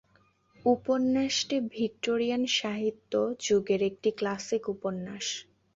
উপন্যাসটি ভিক্টোরিয়ান সাহিত্য যুগের একটি ক্লাসিক উপন্যাস।